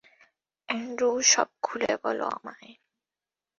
Andrew, সব খুলে বলো আমায়।